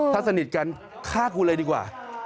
ถ้าสนิทกันฆ่ากูเลยดีกว่า